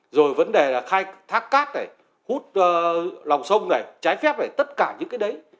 rồi vấn đề là khai thác cát này hút lòng sông này trái phép này tất cả những cái đấy